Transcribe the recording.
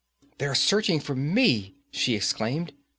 'They are searching for me!' she exclaimed.